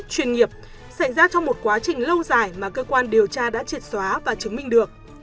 chuyên nghiệp xảy ra trong một quá trình lâu dài mà cơ quan điều tra đã triệt xóa và chứng minh được